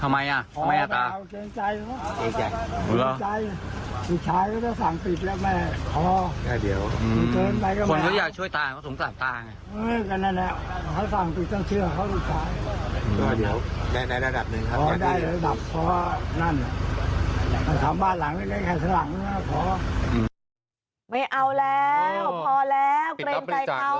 ไม่เอาแล้วพอแล้วปิดรับบริจาคเลย